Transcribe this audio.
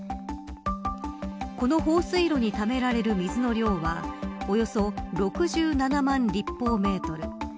この放水路にためられる水の量はおよそ６７万立方メートル。